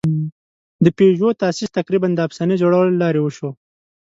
د پيژو تاسیس تقریباً د افسانې جوړولو له لارې وشو.